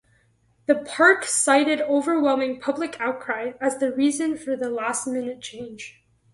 The park cited overwhelming public outcry as reason for the last-minute change.